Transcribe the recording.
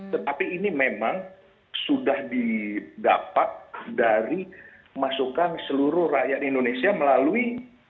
tetapi ini memang sudah didapat dari masukan seluruh rakyat indonesia melalui